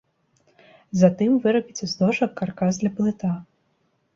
Затым вырабіце з дошак каркас для плыта.